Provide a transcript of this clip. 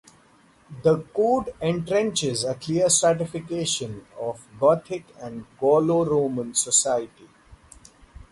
The code entrenches a clear stratification of Gothic and Gallo-Roman society.